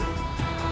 sampai jumpa lagi